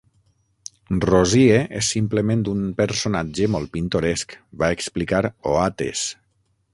"Rosie és simplement un personatge molt pintoresc", va explicar Oates.